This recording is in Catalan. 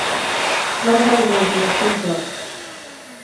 La barreja és molt simple.